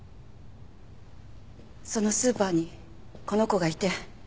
そのスーパーにこの子がいて。